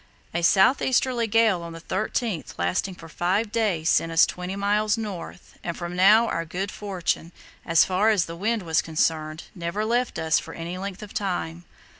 A south easterly gale on the 13th lasting for five days sent us twenty miles north, and from now our good fortune, as far as the wind was concerned, never left us for any length of time.